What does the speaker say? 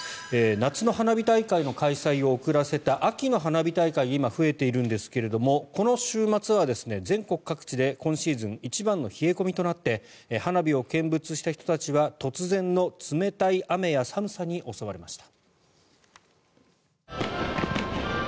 夏の花火大会の開催を遅らせた秋の花火大会が今、増えているんですがこの週末は全国各地で今シーズン一番の冷え込みとなって花火を見物した人たちは突然の冷たい雨や寒さに襲われました。